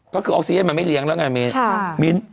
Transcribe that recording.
ก็คือออกซีเย็นมันไม่เลี้ยงแล้วไงมิ้น